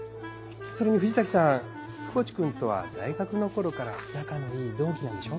それに藤崎さん窪地君とは大学の頃から仲のいい同期なんでしょ？